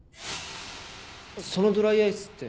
そのドライアイスって。